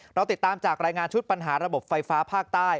เราติดตามจากรายงานชุดปัญหาระบบไฟฟ้าภาคใต้